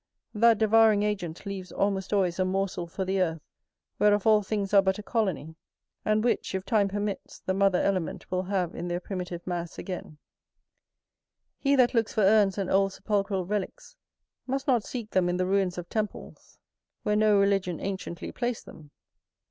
That devouring agent leaves almost always a morsel for the earth, whereof all things are but a colony; and which, if time permits, the mother element will have in their primitive mass again. [BD] Amos ii. 1. [BE] As Artemisia of her husband Mausolus. He that looks for urns and old sepulchral relicks, must not seek them in the ruins of temples, where no religion anciently placed them.